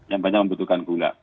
yang banyak membutuhkan gula